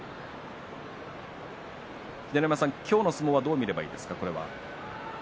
秀ノ山さん、今日の相撲はどう見ればいいですか。